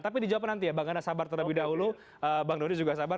tapi dijawab nanti ya bang ganda sabar terlebih dahulu bang doni juga sabar